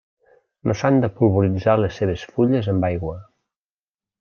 No s'han de polvoritzar les seves fulles amb aigua.